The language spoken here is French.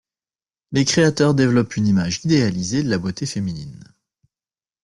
Les créateurs développent une image idéalisée de la beauté féminine.